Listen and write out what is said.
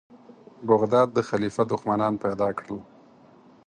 بغداد د خلیفه دښمنان پیدا کړل.